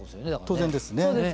当然ですね。